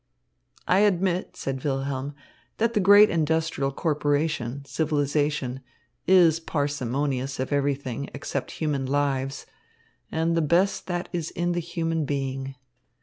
"I admit," said Wilhelm, "that the great industrial corporation, civilisation, is parsimonious of everything except human lives and the best that is in the human being.